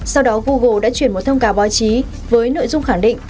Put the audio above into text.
sau đó google đã chuyển một thông cáo báo chí với nội dung khẳng định